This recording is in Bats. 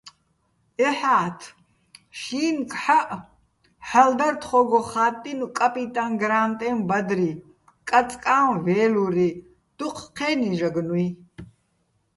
ეჰ̦ათ შინგჰ̦აჸ ჰ̦ალო̆ დარ თხო́გო ხა́ტტინო̆ "კაპიტაჼ გრა́ნტეჼ ბადრი", "კაწკაჼ ვე́ლური", დუჴ ჴე́ნი ჟაგნუჲ.